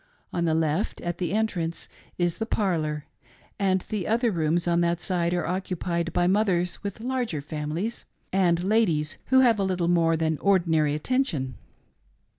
On the left, at the entrance, is the parlor, and the other rooms on that side are occupied by mothers with larger families, and ladies who have a little more than ordinary attention.